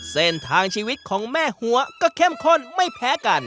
เส้นทางชีวิตของแม่หัวก็เข้มข้นไม่แพ้กัน